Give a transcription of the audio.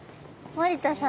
森田さん！